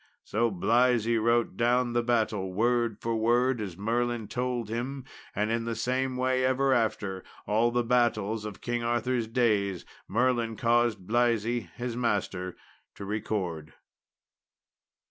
So Blaise wrote down the battle, word for word, as Merlin told him; and in the same way ever after, all the battles of King Arthur's days Merlin caused Blaise, his master, to record.